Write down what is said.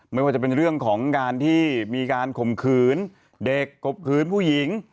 ไม่ว่าจะเป็นเรื่องของการที่มีการข่มขืนเด็กข่มขืนผู้หญิง